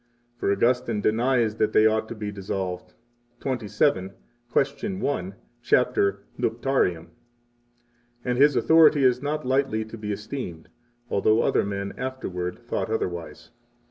35 For Augustine denies that they ought to be dissolved (XXVII. Quaest. I, Cap. Nuptiarum), and his authority is not lightly to be esteemed, although other men afterwards thought otherwise.